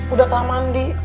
udah kelam mandi